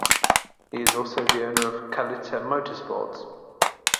He is also the owner of Kalitta Motorsports.